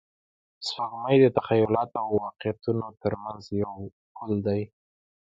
سپوږمۍ د تخیلاتو او واقعیتونو تر منځ یو پل دی